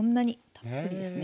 たっぷりですね。